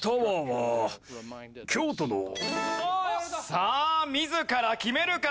さあ自ら決めるか？